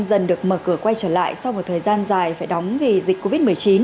dần được mở cửa quay trở lại sau một thời gian dài phải đóng vì dịch covid một mươi chín